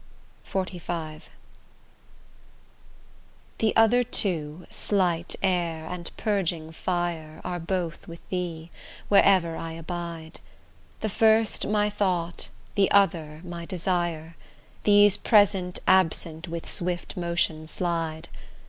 XLV The other two, slight air, and purging fire Are both with thee, wherever I abide; The first my thought, the other my desire, These present absent with swift motion slide.